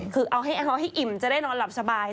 คือเอาให้อิ่มจะได้นอนหลับสบาย